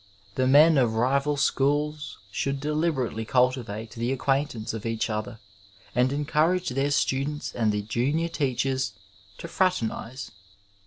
The men of rival schools should deliberately cultivate the acquaintance of each other and encourage their students and the junicMr teachers to frater nize.